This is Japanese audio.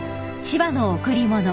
［『千葉の贈り物』］